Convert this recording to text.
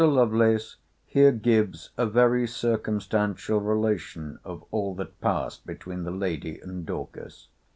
[Mr. Lovelace here gives a very circumstantial relation of all that passed between the Lady and Dorcas.